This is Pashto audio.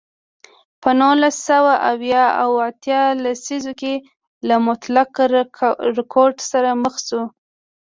په نولس سوه اویا او اتیا لسیزو کې له مطلق رکود سره مخ شو.